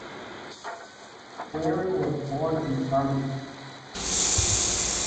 Wearing was born in Birmingham.